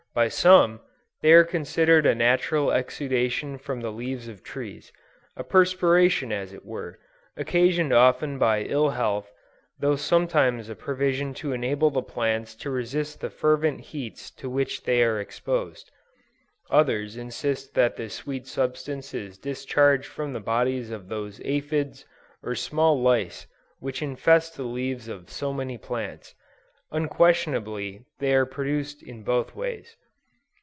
By some, they are considered a natural exudation from the leaves of trees, a perspiration as it were, occasioned often by ill health, though sometimes a provision to enable the plants to resist the fervent heats to which they are exposed. Others insist that this sweet substance is discharged from the bodies of those aphides or small lice which infest the leaves of so many plants. Unquestionably they are produced in both ways.